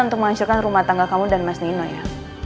untuk mengansurkan rumah tangga kamu dan mas nino ya